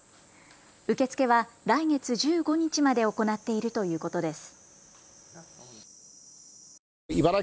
受け付けは来月１５日まで行っているということです。